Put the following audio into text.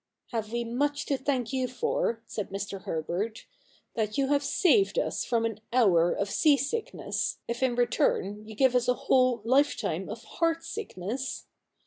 ' Have we much to thank you for,' said Mr. Herbert, ' that you have saved us from an hour of sea sickness, if in return you give us a whole lifetime of heart sickness?